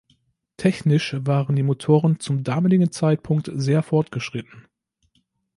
Technisch waren die Motoren zum damaligen Zeitpunkt sehr fortgeschritten.